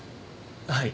はい。